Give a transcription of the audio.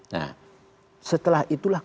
nah setelah itulah